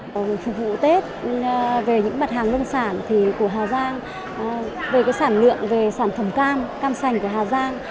phục vụ tết về những mặt hàng lương sản thì của hà giang về cái sản lượng về sản phẩm cam cam sành của hà giang